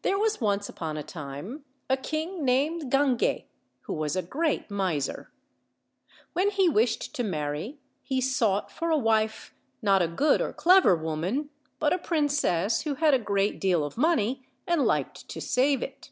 THEKE was once upon a time a king named Guinguet, who was a great miser. When he wished to marry he sought for a wife not a good or clever woman, but a princess who had a great deal of money and liked to save it.